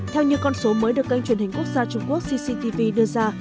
theo như con số mới được kênh truyền hình quốc gia trung quốc cctv đưa ra